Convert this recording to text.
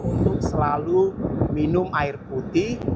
untuk selalu minum air putih